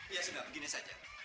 ya sudah begini saja